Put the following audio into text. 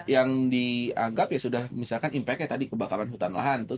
yang dianggap ya sudah misalkan impact nya tadi kebakaran hutan lahan tuh